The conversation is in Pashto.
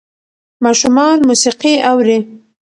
ماشومان موسیقي اوري.